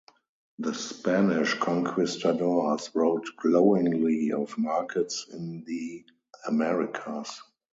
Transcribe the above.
The Spanish conquistadors wrote glowingly of markets in the Americas.